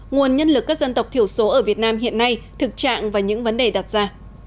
nguồn nhân lực các dân tộc thiểu số ở việt nam hiện nay thực trạng và những vấn đề đặt ra